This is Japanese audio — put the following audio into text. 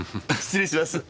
失礼します。